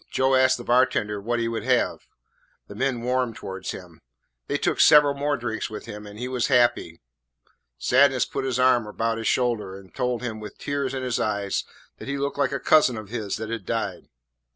Joe asked the bartender what he would have. The men warmed towards him. They took several more drinks with him and he was happy. Sadness put his arm about his shoulder and told him, with tears in his eyes, that he looked like a cousin of his that had died.